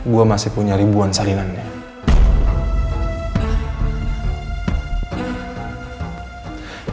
gue masih punya ribuan salinan nih